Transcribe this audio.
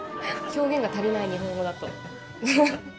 表現が足りない、日本語だと。